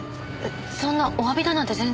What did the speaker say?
そんなおわびだなんて全然。